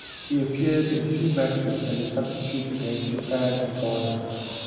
He appeared in two matches as a substitute, against Japan and Ghana.